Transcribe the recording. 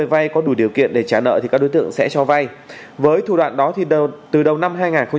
vay có đủ điều kiện để trả nợ thì các đối tượng sẽ cho vay với thủ đoạn đó thì từ đầu năm hai nghìn hai mươi bốn